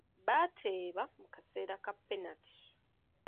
Baateeba mu kaseera ka penati.